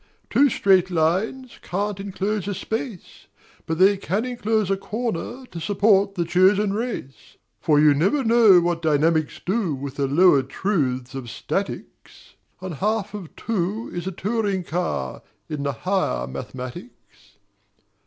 Two straight lines Can't enclose a Space, But they can enclose a Corner to support the Chosen Race: For you never know what Dynamics do With the lower truths of Statics; And half of two is a touring car In the Higher Mathematics.